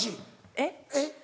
えっ？えっ？